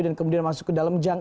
kemudian masuk ke dalam jang